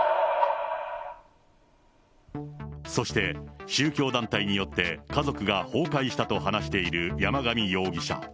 そして宗教団体によって、家族が崩壊したと話している山上容疑者。